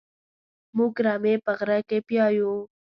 موږ رمې په غره کې پيايو.